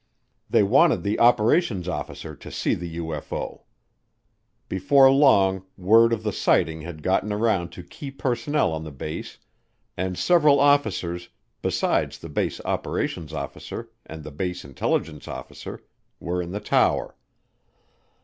They wanted the operations officer to see the UFO. Before long word of the sighting had gotten around to key personnel on the base, and several officers, besides the base operations officer and the base intelligence officer, were in the tower.